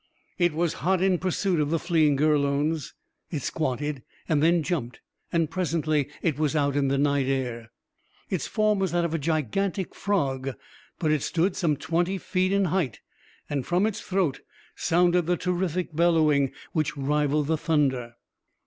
It was hot in pursuit of the fleeing Gurlones. It squatted and then jumped, and presently it was out in the night air. Its form was that of a gigantic frog, but it stood some twenty feet in height, and from its throat sounded the terrific bellowing which rivalled the thunder.